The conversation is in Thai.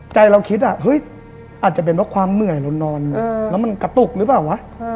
ใจเราคิดอาจจะเป็นเพราะความเหนื่อยเรานอนแล้วมันกระตุกหรือเปล่าวะ